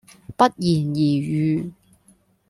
不言而喻